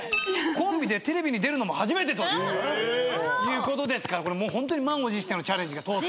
コンビでテレビに出るのも初めてということですからこれもうホントに満を持してのチャレンジが通ったという。